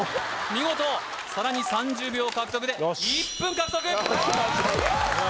見事さらに３０秒獲得でよしっ１分獲得！